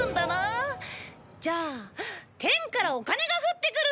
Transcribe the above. じゃあ天からお金が降ってくる！